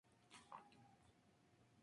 Fue soldado en Italia.